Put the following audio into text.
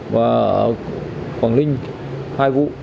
và ở quảng ninh hai vụ